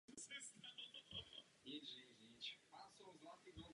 Funguje zde také mezinárodní letiště.